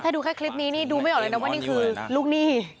ถ้าดูแค่คลิปนี้นี่ดูไม่ออกเลยนะว่านี่คือลูกหนี้